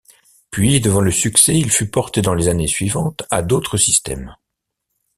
Puis, devant le succès, il fut porté dans les années suivantes à d'autres systèmes.